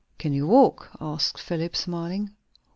"Can you walk?" asked Philip, smiling.